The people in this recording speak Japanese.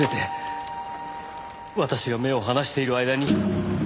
私が目を離している間に。